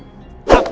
geng serigala tarinya